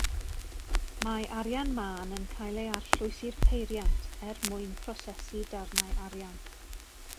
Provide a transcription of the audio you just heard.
Mae arian mân yn cael ei arllwys i'r peiriant er mwyn prosesu darnau arian.